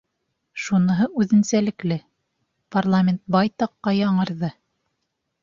Шуныһы үҙенсәлекле: парламент байтаҡҡа яңырҙы.